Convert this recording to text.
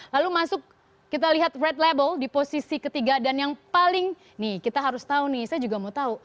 lalu masuk kita lihat red label di posisi ketiga dan yang paling nih kita harus tahu nih saya juga mau tahu